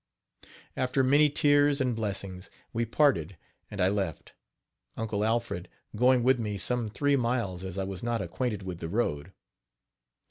After many tears and blessings, we parted, and I left, Uncle Alfred going with me some three miles, as I was not acquainted with the road.